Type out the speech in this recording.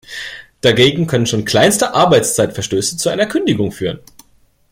Dagegen können schon kleinste Arbeitszeitverstöße zu einer Kündigung führen.